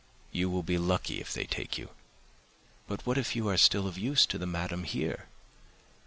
You will be lucky if they take you, but what if you are still of use to the madam here?